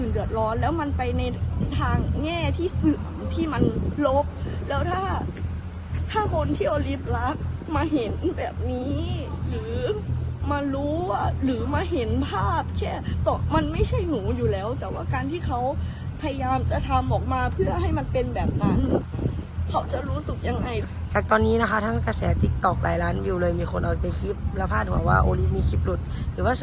เดือดร้อนแล้วมันไปในทางแง่ที่มันลบแล้วถ้าถ้าคนที่เอาลิฟต์รักมาเห็นแบบนี้หรือมารู้หรือมาเห็นภาพแค่มันไม่ใช่หนูอยู่แล้วแต่ว่าการที่เขาพยายามจะทำออกมาเพื่อให้มันเป็นแบบนั้นเขาจะรู้สึกยังไงจากตอนนี้นะคะทั้งกระแสติ๊กต๊อกหลายล้านวิวเลยมีคนเอาไปคลิปแล้วพาดหัวว่าโอ้นี่มีคลิปหลุดหรือว่า